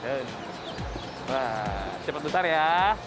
wah cepat besar ya